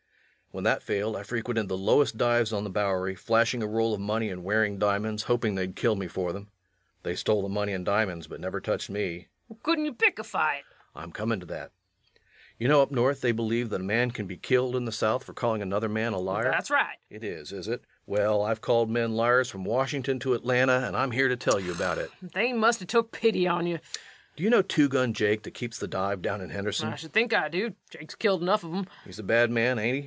When that failed, I frequented the lowest dives on the Bowery, flashing a roll of money and wearing diamonds, hoping they'd kill me for them. They stole the money and diamonds, but never touched me. LUKE. Couldn't you pick a fight? REVENUE. I'm coming to that. You know up North they believe that a man can be killed in the South for calling another man a liar. LUKE. That's right. REVENUE. It is, is it? Well, I've called men liars from Washington to Atlanta, and I'm here to tell you about it. LUKE. They must a took pity on ye. REVENUE. Do you know Two Gun Jake that keeps the dive down in Henderson? LUKE. I should think I do.... Jake's killed enough of 'em. REVENUE. He's a bad man, ain't he?